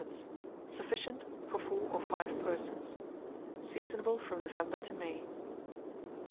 Sufficient for 4 or 5 persons. Seasonable from November to May.